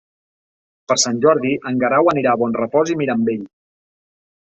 Per Sant Jordi en Guerau anirà a Bonrepòs i Mirambell.